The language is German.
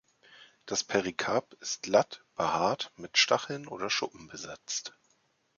Das Perikarp ist glatt, behaart, mit Stacheln oder Schuppen besetzt.